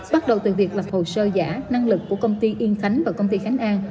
bắt đầu từ việc lập hồ sơ giả năng lực của công ty yên khánh và công ty khánh an